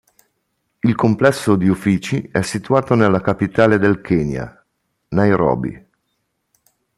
Il complesso di uffici è situato nella capitale del Kenya, Nairobi.